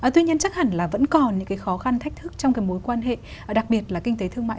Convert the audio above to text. tuy nhiên chắc hẳn là vẫn còn những cái khó khăn thách thức trong cái mối quan hệ đặc biệt là kinh tế thương mại